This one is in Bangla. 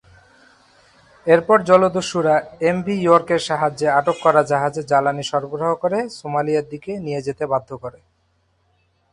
এরপর জলদস্যুরা এমভি ইয়র্কের সাহায্যে আটক করা জাহাজে জ্বালানি সরবরাহ করে সোমালিয়ার দিকে নিয়ে যেতে বাধ্য করে।